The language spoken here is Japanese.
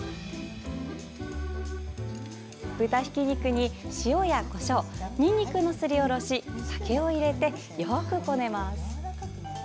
豚ひき肉に、塩やこしょうにんにくのすりおろし酒を入れて、よくこねます。